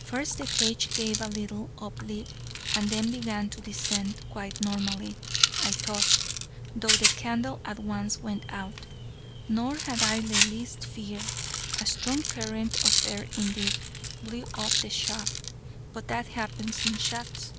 First the cage gave a little up leap, and then began to descend quite normally, I thought, though the candle at once went out nor had I the least fear; a strong current of air, indeed, blew up the shaft: but that happens in shafts.